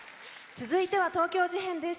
続いては東京事変です。